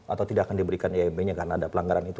atau tidak akan diberikan imb nya karena ada pelanggaran itu